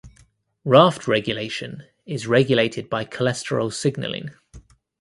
Raft regulation is regulated by cholesterol signaling.